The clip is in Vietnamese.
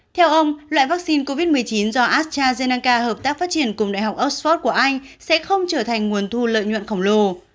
theo ông loại vaccine covid một mươi chín do astrazeneca hợp tác phát triển cùng đại học oxford của anh sẽ không trở thành nguồn thu lợi nhuận khổng lồ